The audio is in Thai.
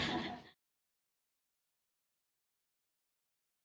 ขอบคุณนะครับขอบคุณนะครับ